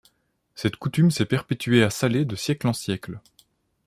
Cette coutume s'est perpétuée à Salé de siècle en siècle.